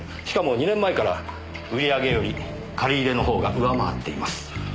しかも２年前から売り上げより借り入れの方が上回っています。